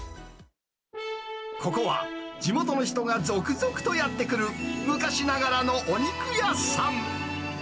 ここは地元の人が続々とやって来る、昔ながらのお肉屋さん。